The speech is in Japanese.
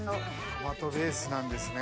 トマトベースなんですね。